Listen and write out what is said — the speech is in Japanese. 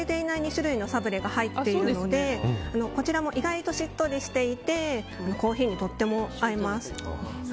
２種類のサブレが入っているのでこちらも意外としっとりしていてコーヒーにとっても合います。